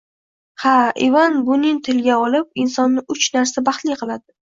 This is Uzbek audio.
— Ha, Ivan Bunin tilga olib, insonni uch narsa baxtli qiladi.